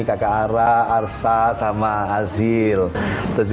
kita harus berhati hati